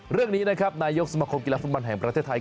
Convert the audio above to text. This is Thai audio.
เรื่องนี้นะครับนายกสมคมกีฬาฟุตบอลแห่งประเทศไทย